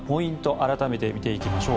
改めて見ていきましょう。